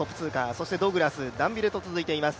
そしてドグラス、ダンビレと続いています。